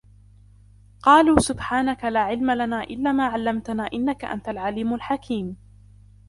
قالوا سبحانك لا علم لنا إلا ما علمتنا إنك أنت العليم الحكيم